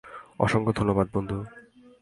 অসংখ্য ধন্যবাদ, বন্ধু।